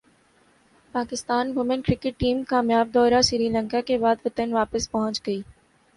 Pakistan women cricket team کامیاب دورہ سری لنکا کے بعد وطن واپس پہنچ گئی